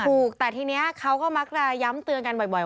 ถูกแต่ทีนี้เขาก็มักจะย้ำเตือนกันบ่อย